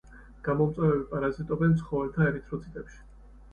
გამომწვევები პარაზიტობენ ცხოველთა ერითროციტებში.